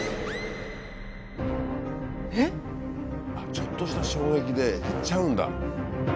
ちょっとした衝撃でいっちゃうんだ。